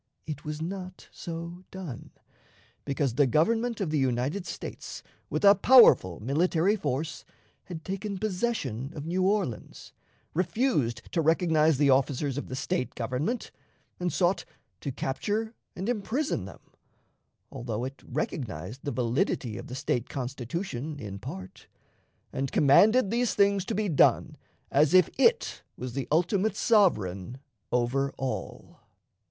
It was not so done, because the Government of the United States, with a powerful military force, had taken possession of New Orleans, refused to recognize the officers of the State government, and sought to capture and imprison them, although it recognized the validity of the State Constitution in part, and commanded these things to be done as if it was the ultimate sovereign over all.